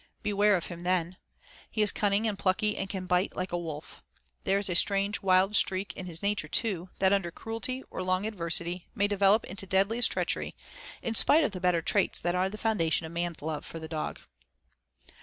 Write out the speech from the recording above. Beware of him then. He is cunning and plucky and can bite like a wolf. There is a strange, wild streak in his nature too, that under cruelty or long adversity may develop into deadliest treachery in spite of the better traits that are the foundation of man's love for the dog.